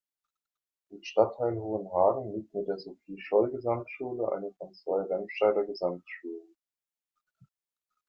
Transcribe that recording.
Im Stadtteil Hohenhagen liegt mit der Sophie-Scholl-Gesamtschule eine von zwei Remscheider Gesamtschulen.